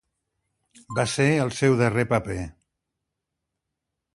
Va ser el seu darrer paper.